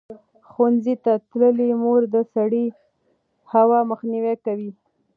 ښوونځې تللې مور د سړې هوا مخنیوی کوي.